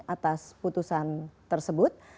atas putusan tersebut